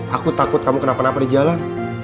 aku takut kamu kenapa kenapa di jalan